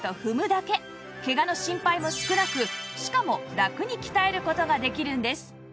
ケガの心配も少なくしかもラクに鍛える事ができるんです